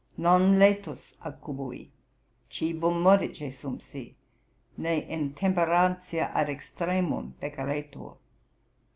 Non laetus accubui, cibum modicè sumpsi, ne intemperantiâ ad extremum peccaretur.